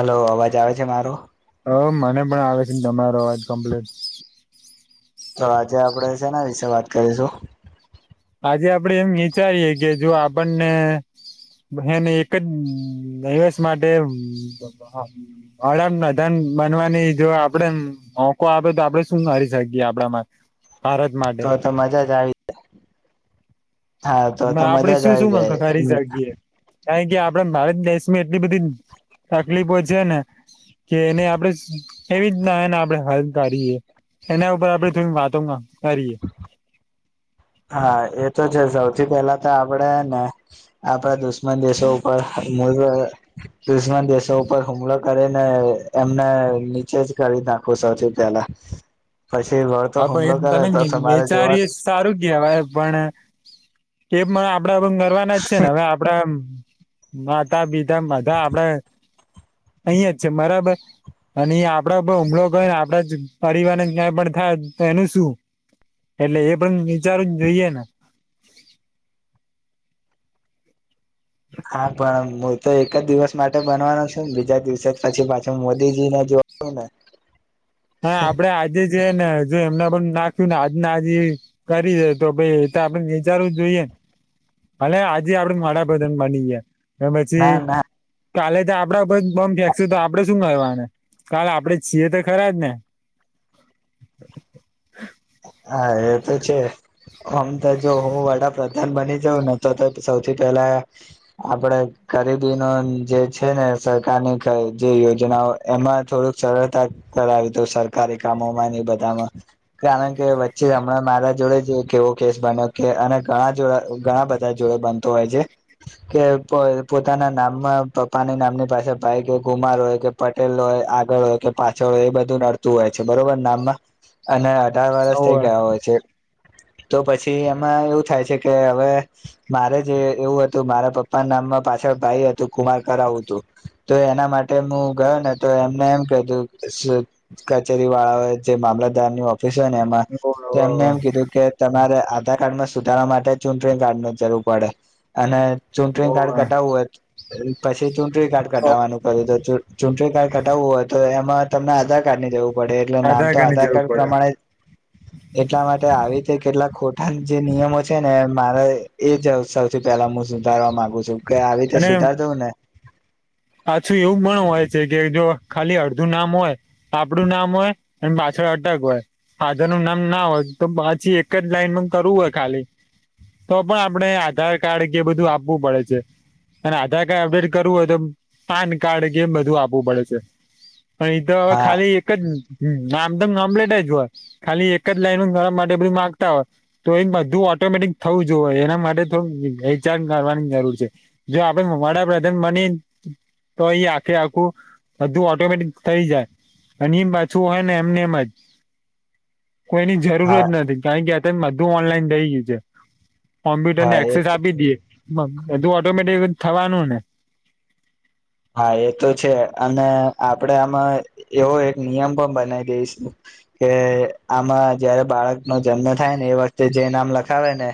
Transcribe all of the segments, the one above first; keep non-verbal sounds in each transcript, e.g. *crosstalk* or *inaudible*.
Hello અવાજ આવે છે મારો હ મને પણ આવે છે તમામારો અવાજ કમ્પ્લેટ તો આજે આપણેે છેના વિશે વાત કરીશું. આજે આપડે એમ વિચારીએ કે જો આપણને બને એક જ દિવસ માટે વડાપ્રધાન બનવાની જો આપડે મોકો આપે તો આપડે શું કરી શકીએ આપડા માં તો તો મજા જ આવી જાય આપડે શું શું જાય મખ કરી શકીએ. કારણ કે આપડે ભારત દેશમાં એટલી બધી તકલીફો છે ને કે એને આપણેે કેવી રીતના એને આપણે હલ કરીએ. એના ઉપર આપડે થોડી વાતો કરીએ. હા એ તો છે સૌથી પેલા તો આપડેને આપડા દુશ્મન દેશો ઉપર દુશ્મન દેશો ઉપર હુમલો કરીને એમને નીચે જ કરી નાખું સૌથી પેલા પછી ઘર તો હા હુમલો કરે તો તમારે જોવા હવે પણ કે આપડા પણ કરવાના જ છે ને હવે આપડા માતા પિતા માધા આપડે. અહીં જ છે બરાબર અને આપડ હુમલો કરયોને આપડા જ પરિવારને ક્યાંય પણ એનું શું એટલે એ પણ વિચારું જોઈએ ને *inaudible* હા પણ હું તો એક જ દિવસ માટે બનવાનો છું ને બીજા દિવસે જ પછી પાછું મોદીજીને જો *unintelligible* હા આપડે આજે જ ને જો એમને પણ નાખ્યું ને આજ આજ કરી દે તો ભાઈ એ તો આપણે વિચારવું જોઈએ. ભલે આજે આપડે વડાપધ બની ગયા. એ પછી ના ના કાલે તો આપડા ઉપર બોમ્બ ફેંકશ તો આપડે શું કરવાના કાલ આપડે છીએ તો ખરા જ ને હા એ તો છે. હમ તો જો હું વડાપ્રધાન બની જાઉં ને તો સૌથી પહેલા આપડે ગરીબી ન જે છે ને સરકારની જે યોજનાઓ એમાં થોડુંક સરળતા કરાવીદો સરકારી કામો માં બધામાં કારણ કે વચ્ચે હમણાં મારા જોડે જ કેવો કેસ બન્યો કે અને ઘણા જોડા ઘણા બધા જોડ બનતો હોય છે. કે પ પોતાના નામમાં પપ્પાની નામની પાસે ભાઈ કે કુમાર હોય કે પટેલ હોય આગળ હોય કે પાછળ હો એ બધું નડતું હોય છે. બરોબર નામમાં અને અઢાર વર્ષ થઇ હોવે ગયા હોય છે. તો પછી એમાં એવું થાય છે કે હવે મારે જે એવું હતું મારા પપ્પા ના નામમાં પાછળ ભાઈ હતું કુમાર કરાવું હતું તો એના માટે હું ગયો ને તો એમને એમ કું કચેરી વાળા જે મામલતદાર ની ફીસ‌ હોય ને એમાં તો એમને હોવે એમ કીધું કે તમારે આધાર કાર્ડમાં સુધારવા માટે ચૂંટણી કાર્ડ ન જરૂર પડે અને ચૂંટણી હોવે કાર્ડ હોવે કટાવવું હોય પછી ચૂંટણી કાર્ડ કટાવાનું ક્યું તો ચુંટણી કાર્ડ કટાવવું હોય તો એમાં તમને આધાર કાર્ડ ની જવું પડે એટલે નામ તો કાર્ડની આધાર જરૂર કાર્ડ પ્રમાણે *inaudible* એટલા માટે આવી રીતે કેટલા ખોટા જે નિયમો છે ને મારે એ જ સૌથી પેલા હું સુધારવા માંગુ છું કે આવી રીતે અને સુધાર દવ ને પાછું એવું પણ હોય છે કે જો ખાલી અડધું નામ હોય આપડું નામ હોય એ પાછળ અટક હોય ફાધર નું નામ ના હોય તો પછી એક જ લાઈનમાં કરવું હોય ખાલી તો પણ આપણે આધાર કાર્ડ કે બધું આપવું પડે છે. અને આધા કઈ અપડેડ કરવું હોય તો પાન કાર્ડ કેમ બધું આપવું પડે છે એ તો હવે હા ખાલી એક જ હમ આમદમ કમ્પ્લેટ જ હોય ખાલી એક જ લાઈન ગર માટે બધું માંગતા હોય તો એ બધું ઓટોમેટિક થવું જોએ એના માટે થોડું વેચાણ કરવાની જરૂર છે જો આપણે વડાપ્રધાન બની તો એ આખે આખું બધું ઓટોમેટિક થઈ જાય અની એમ પાછું હોય ને એમને એમ જ કોઈની હા જરૂરત નથી કારણ કે અત બધું ઓનલાઈન થઈ ગયું છે. કોમ્પ્યુટરને હા એ એક્સેસ આપી દઈએ એધું ઓટોમેટિક થવાનું ને હા એ તો છે અને આપડે આમાં એવો એક નિયમ પણ બનાવી દઈશ કે આમાં જયારે બાળક નો જન્મ થાય ને એ વખતે જે નામ લખાવે ને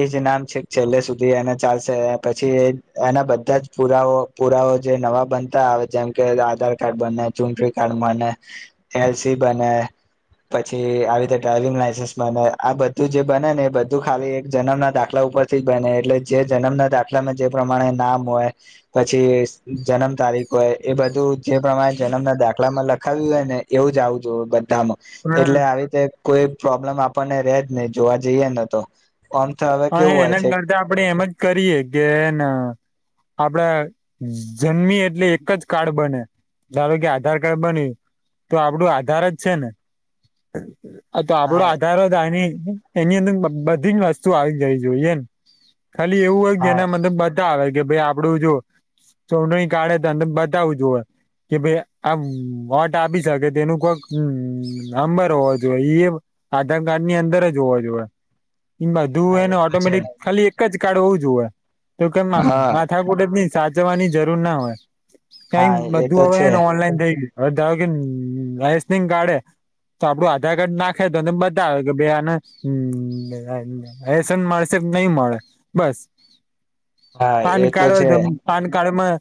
એ જ નામ છે છેલ્લે સુધી એને ચાલશે પછી એના બધા જ પુરાવ પુરાવ જે નવા બનતા આવે જેમ કે આધાર કાર્ડ બને ચૂટણી કાર્ડ બને એલસી બને પછી આવી રીતે ડ્રાઈવિંગ લાયસન્સ બને આ બધું જે બને ને એ બધું ખાલી એક જન્મ ના દાખલા ઉપરથી બને એટલે જે જન્મના દાખલામાં જે પ્રમાણે નામ હોય પછી જન્મ તારીખ હોય એ બધું જે પ્રમાણે જન્મના દાખલામાં લખાવ્યું હોય ને એવું જ આવું જોવુ પણ એટલે આવી રીતે કોઈ પ્રોબ્લેમ આપણને રજ નહી જોવા જઈએ ન તો. આમ તો હવે હા કેવું હોય એના છે કરતા આપડે એમ જ કરીયએ કે હેન આપડા જન્મી એટલે એક જ કાર્ડ બને ધારો કે આધાર કાર્ડ બન્યું તો આપડું આધાર જ છે ને. આ તો આપડો હા આધાર આ એની અંદર બ બધી જ વસ્તુ આવી જવી જોઈએ એમ. ખાલી એવું હોય કે હા જેના મતલબ બતાવે કે ભાઈ આપડું જો ચોડ કાઢે ત બતાવું જોવા. કે ભાઈ આ વાટ આપી શકે તેનું કોઈક નંબર હોવો જોઈએ એ આધાર કાર્ડ ની અંદર જ જોવા જોઈએ. બધું હા એ એને તો છે ઓટોમેટિક ખાલી એક જ કાર્ડ હોવું જોએ તો કેમ માથા હા માથાકુટે જ ન સા જવાની જરૂર ના હોય કઈ હા એ બધું તો છે હવેને ઓનલાઈન થઈ ગયું. હવે ધારોકે આઈસનીગ કાર્ડ હે તો આપડું આધાર કાર્ડ નાખે તો એને બતાવે કે ભઈ આને એસન મળેશે નહી મળે બસ. હા પાન એ કાર્ડ હોય છે તો પાન કાર્ડમાં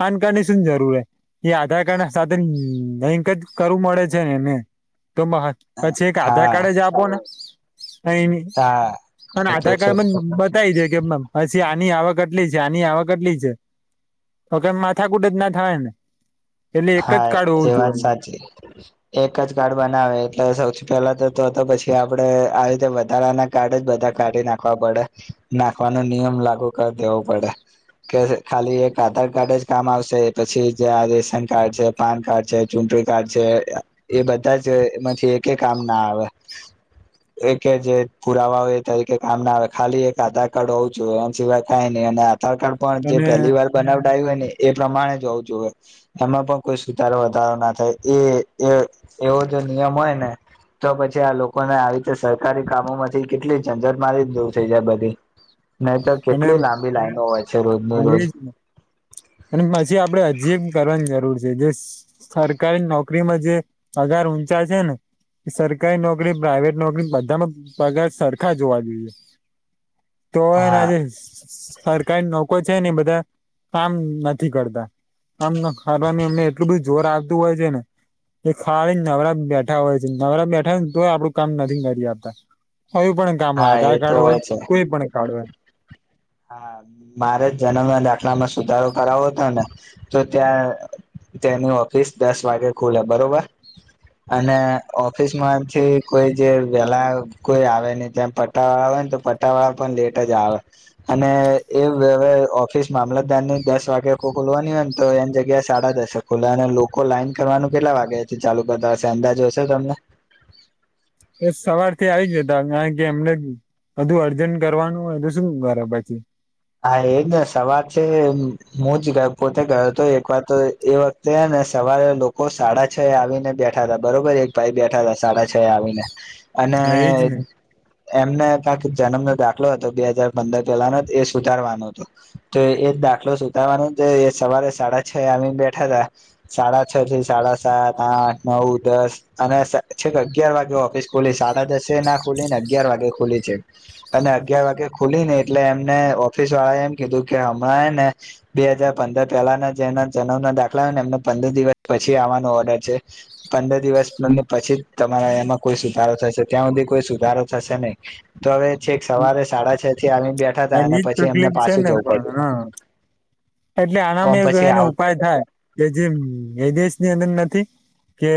પાન કારડ ની શું જરૂર એ આધાર કાર્ડ સાથે લિંક જ કરવું મળે છે ને એને. તોમાં પછી એક હા આધારકાર્ડ જ આપો ને તઈની. હા પણ એ તો આધાર છે કાડ મને બતાવી દે કે અમ પછી આની આવક એટલી છે, આની આવક એટલી છે તો કે માથાકૂટ જ ના થાય ને. એટલે એક જ હા કાર્ડ એ હોવું વાત જોઈએ સાચી એક જ કાર્ડ બનાવે એટલે સૌથી પેલા તો તો તો પછી આપડે આ રીતે વધારાના કાડ જ બધા કાઢી નાખવા પડે. નાખવાનો નિયમ લાગુ કરી દેવો પડે. કે ખાલી એક આધાર કાર્ડ જ કામ આવશે પછી જે આ રેસ કાર્ડ છે, પાન કાર્ડ છે, ચૂટણી કાર્ડ છે એ બધા જમાંથી એકે કામ ના આવે. *inaudible* એકે જે પુરાવા હોય તે એકે કામ ના આવે ખાલી એક આધારકાર્ડ હોવું જોઈએ. જે બતાવી ને એમાં પણ જે અને પહેલી વાર બનાવડાવ્યું હોય ને એ પ્રમાણે જ હોવું જોઈએ. એમાં પણ કોઈ સુધારો વધારો ના થાય એ એવો જો નિયમ હોય ને તો પછી આ લોકોને આવી રીતે સરકારી કામો માંથી કેટલી ઝંઝટ માથી દૂર થઈ જાય બધી. નહી તો અને કેટલી લાંબી લાાઈનો હોય છે રોજની હા એ રોજ. જ ને અને પછી આપણે હજી એક કરવાની જરૂર છે. જે સરકારી નોકરીમાં જે પગાર ઊંચા છે ને સરકારી નોકરી, પ્રાાઈવેટ નોકરી બધામાં પગાર સરખા જોવા જોઈએ. તો એને હા આજે સર સરકારી નોકરી લોકો છે ને બધા કામ નથી કરતા. આમ હરામીઓને એમને એટલું બધ જોર આવતું હોય છે ને. એ ખાય નવરા બેઠા હોય છે નવરા બેઠા હોય તોય આપણું કામ નથી કરી આપતા. એયું પણ કામ હોય હા આધાર એ તો કાર્ડ હોય છે કોઈ પણ કાર્ડ હોય એમ. હા મારે જ જન્મના દાખલામાં સુધારો કરાવો હતો ને તો ત્યાં તેની ઓફિસ દસ વાગે ખુલે બરોબર? અને ઓફિસ માંથી કોઈ જે વેલા કોઈ આવે ની ત્યાં પટાવાળ પણ તો પટ્ટાવાળ પણ લેટ જ આવે. અને એ હવે ઓફિસ મામલતદાર ની દસ વાગે ખોલવાની હોય ને તો એની જગ્યા સાડા દસે ખુલા અને લોકો લાઈન કરવાનું કેટલા વાગ્યાથી ચાલુ કરતા હશે અંદાજો હશે તમને? એ સવારથી આવી જતા આય ગેમ બધું અર્જન્ટ કરવાનું હોય તો શું કરે પછી. હા એજ ને સવાર છે હું જ પોતે ગયો હતો એક વાર તો એ વખતે ને સવારે લોકો સાડા છ આવીને બેઠા તા બરોબર એક ભાઈ બેઠા તા સાડા છ આવીને. અને હા એજ ને એમને કાક જન્મનો દાખલો હતો બે હાજાર પંદર પહેલાનો સુતારવાનું હત તો એ દાખલો સુતાારવાનો તો એ સવારે સાડા છ આવીમ બેઠા હતા સાડા છ થી સાડા સાત આઠ નવ દસ અને છે કે અગિયાર વાગે ઓફિસ ખોલી સાડા દસે ના ખુલીને અગિયાર વાગે ખુલી છે અને અગયાર વાગે ખુલી ને એટલે એમને હોફીસ વાળા એમ કીધું કે હમણાં એને બે હાજાર પંદર પહેલાના જેના જન્મ ના દાખલાને એમ પંદર દિવસ પછી આવવાનો ઓર્ડર છે પંદર દિવસ પછી તમારા એમાં કોઈ સુધારો થશે ત્યાં સુધી કોઈ સુધારો થશે નહી તો હવે છેક સવારે સાડા છ થી આવી બેઠા તા એજ તકલીફ છે ને પણ હા એટલે ઓમ આનામાં એક પછી એનો આવ ઉપાય થાય કે જે એ દેશ ની અંદર નથી કે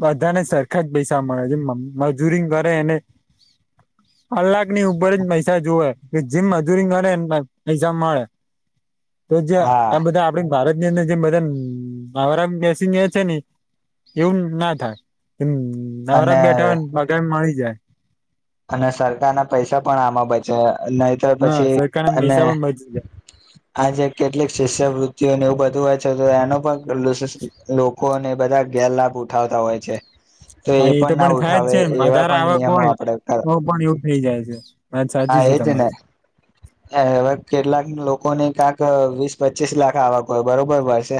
બધાને સરખા જ પૈસા મળે છે મજૂરી કરે એને *inaudible* કલાક ની ઉપર જ પૈસા જોવે જીમ મજૂરી કરે પૈસા મળે તો જે હા આ બધા આપડ ભારત જેના જેમ બધા આરા બેસી છે ને એવું ના થાય મ અને નરા બેઠા બગા મળી જાય અને સરકાર ના પૈસા પણ આમાં બચે નહી તોર હા પછી સરકારના અને પૈસા પણ બચી જાય આજે કેટલીક શિષ્યવૃતિ જે ને એવું બધું હોય છે તો એનો પણ લોકોને બધા ગેરલાભ ઉઠાવતા હોય છે તો હા એ પણ ના થાય જ ઉઠાવે છે ને. એવા વધારે પણ આવક નિયમો હોય આપડે તો પણ એવું થઇ જાય છે વાત હા સાચી છે એજ ને તમારી હવે કેટલાક લોકોને ક્યાક વીસ પચીસ લાખ આવક હોય બરોબર પસે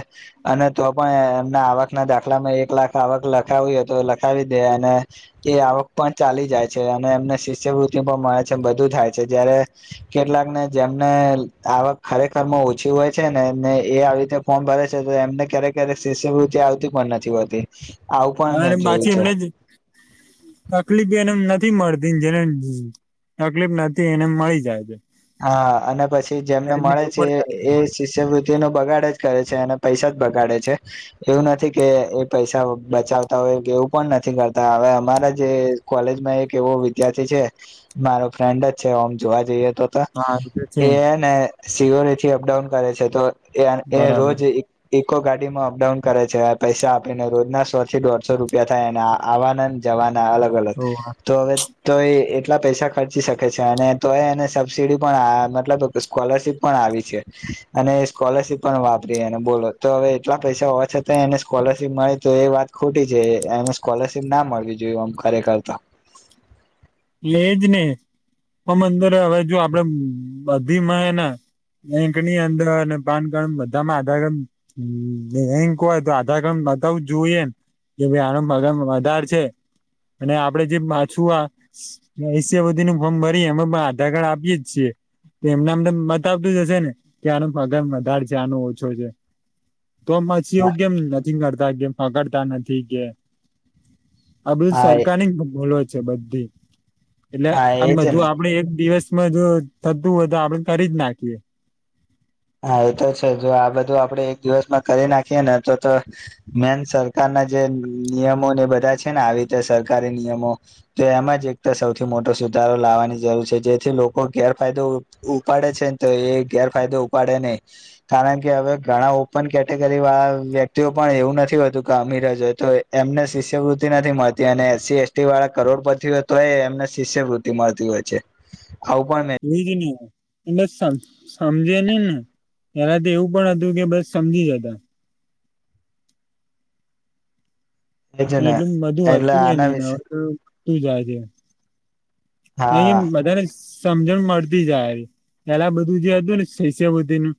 અને તો પણ એમના આવકના દાખલામાં એક લાખ આવક લખાવી હો તો લખાવી દે અને એ આવક પણ ચાલી જાય છે અને એમને શિષ્યવૃત્તિ પણ મળે છે એ બધું થાય છે જયારે કેટલાક ને જેમને આવક ખરેખર ઓછી હોય છે ને ને એ આવી રીતે ફોર્મ ભરે છે એમને ક્યારેક ક્યારેક શિષ્યવૃતિ આવતી પણ નથી હોતી આવું પણ હા મેં જોયું બાછી છે. એમને જ તકલીફ એને નથી નથી મળતીને જેને તકલીફ નથી એને મળી જાય છે હા અને પછી જેમને એટલે મળે એવું છે પણ થાય એ શિષ્યવૃતિ નું બગાડે છે કરે છે અને પૈસા જ બગાડે છે એવું નથી કે એ પૈસા બચાવતા હોય એવું પણ નથી નથી કરતા હવે અરા જે કોલેજમાં એક એવો વિદ્યાર્થી છે મારો ફ્રેન્ડ જ છે જોવા જઈએ તો હા એ તો છે સિઓરેથી અપડાઉન કરે છે તો એ બરાબર રોજ ઇકો ગાડીમાં અપડાઉન કરે છે પૈસા આપીને રોજના સો થી દોઢસો રૂપિયા થાય અને આવાનંદ જવાન અલગ ઓ અલગ તો હવે તો એ એટલા પૈસા ખર્ચી શકે છે અને તો એને સબસીડી પણ આયા તલબ સ્કોલરશીપ પણ આવી છે અને સ્કોલરશીપ પણ વાપરી અને બોલો તો હવે એટલા પૈસા હોવા છતાં એને સ્કોલરશીપ મળે તો એ વાત ખોટી છે એને સ્કોલરશીપ ના મળી જોઈએ આમ ખરખરકરતા લેજ ને પણ અંદર હવે જો આપડે બધીમાં ને એંકની અંદર અને પાન કાર્ડ બધામાં આધાર કાર્ડ એંક હોય તો આધાર કાર્ડ બતાવ જોઈએ એમ કે ભાઈ આનું મ વધાર છે અને આપડે જે માછું આ એશ બધી નું ફોર્મ ભરી અમે આધાર કાર્ડ આપીએ જ છીએ એમને અમ તો મત આવતું જશે ને કે આનો પગાર વધારે છે આનો ઓછો છે તો પછી હા એવું કેમ નથી કરતા કેમ પકડતા નથી કે આ બધું હા સરકારની જ ભોલો છે બધી એટલે આ એજ ને બધુ આપડે એક દિવસ જો થતું હોય તો આપડે કરી જ નાખીએ હા એતો છે જો આ બધું આપડે એક દિવસમાં કરી નાખીએ ને તો તો મેન સર કારના જે નિયમો ને બધા છે ને આવી રીતે સરકારી નિયમો તો એમાં જ એક તો સૌથી મોટ મોટો સુધારો લાવવાની જરૂર છે જેથી લોકો ગેરફાયદો ઉપાડે છે ને તો એ ગેરફાયદો પડે નહી કારણ કે હવે ઘણા ઓપન કેટેગરી વાળા વ્યક્તિઓ પણ એવું નથી હોતું કે અ મીર જ હોય તો એમને શિષ્યવૃતિ નથી મળતી અને એ એસટી વાળા કરોડ પતિ તો એમને વૃતી મળતી હોય છે. આવું પણ એજ ને એ સમજે નહી ને ત્યારે તો એવું પણ હતું કે બસ સમજી જતા મે છે ને એટલું બધું એટલે હતું એ આના નને વિશે હવે તો તું જોજે અયા હા બધાને સમજણ મળતી જાય પેલા બધું જે હતું ને શિષ્યવૃ્ધિ નું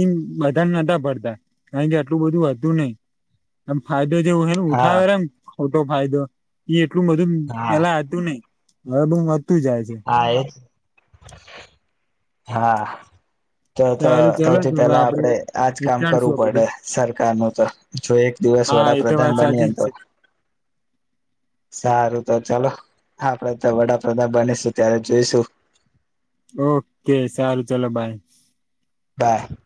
ઈ બધા નતા પડતા કારણ કે આટલું બધું હતું નહી એમ ફા જે હા ઉઠાવેમ ખોટો ફાયદો ઈ એટલું બધું હા પેલા આવતું નઈ *inaudible* હા એજ હા તો તો સારું સૌથી ચલો તો હવે પેલા આપડે આજ કામ વિચારશું કરવું આ પડે બધું સરકાર નુ તો જો એક દિવસ હા એ તો વડાપ્રધાન વાત બની એ સાચી જ તો *inaudible* સારું તો ચાલો આપડે તો વડાપ્રધાન બનીશું ત્યારે જોઈશું. ઓકે સારું ચલો બાય બાય